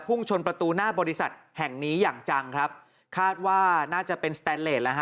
ชนประตูหน้าบริษัทแห่งนี้อย่างจังครับคาดว่าน่าจะเป็นสแตนเลสแล้วฮะ